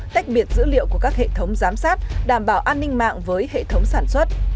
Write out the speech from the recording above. tách biệt dữ liệu của các hệ thống giám sát đảm bảo an ninh mạng với hệ thống sản xuất